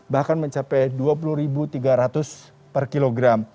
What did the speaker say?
bahkan mencapai rp dua puluh tiga ratus per kilogram